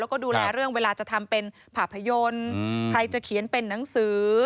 แล้วก็ดูแลเรื่องเวลาจะทำเป็นภาพยนตร์ใครจะเขียนเป็นหนังสือ